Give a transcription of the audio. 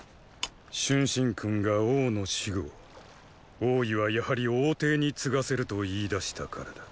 春申君が王の死後王位はやはり王弟に継がせると言いだしたからだ。